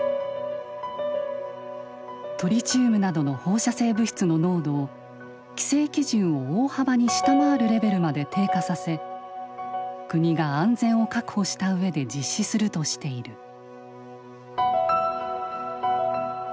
トリチウムなどの放射性物質の濃度を規制基準を大幅に下回るレベルまで低下させ国が安全を確保した上で実施するとしている。